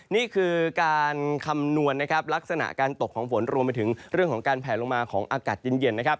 นี่คือการคำนวณนะครับลักษณะการตกของฝนรวมไปถึงเรื่องของการแผลลงมาของอากาศเย็นนะครับ